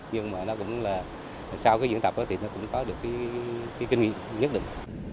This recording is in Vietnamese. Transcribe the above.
nhưng mà nó cũng là sau cái diễn tập thì nó cũng có được cái kinh nghiệm nhất định